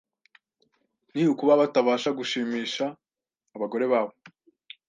ni ukuba batabasha gushimisha abagore babo